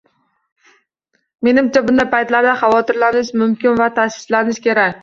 Menimcha, bunday paytlarda xavotirlanish mumkin, va tashvishlanish kerak